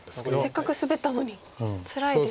せっかくスベったのにつらいですね。